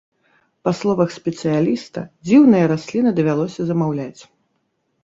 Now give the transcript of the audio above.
Па словах спецыяліста, дзіўныя расліны давялося замаўляць.